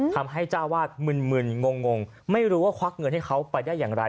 ทำให้เจ้าวาดมึนงงไม่รู้ว่าควักเงินให้เขาไปได้อย่างไร